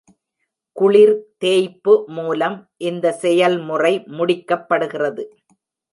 குளிர் தேய்ப்பு மூலம் இந்த செயல்முறை முடிக்கப்படுகிறது.